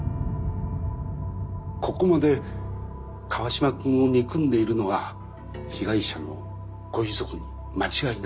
ここまで川島君を憎んでいるのは被害者のご遺族に間違いないと思ったんです。